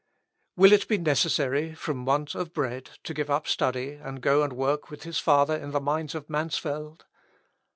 Will it be necessary, from want of bread, to give up study, and go and work with his father in the mines of Mansfeld?